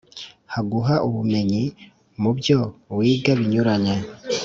kuguha ubumenyi mu byo wiga binyuranye